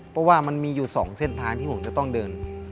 เพราะว่ามันมีอยู่๒เส้นทางที่ผมจะต้องเดิน